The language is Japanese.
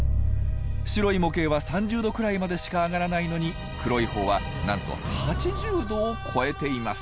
白い模型は３０℃くらいまでしか上がらないのに黒い方はなんと８０℃を超えています。